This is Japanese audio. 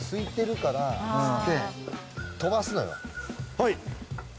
はい！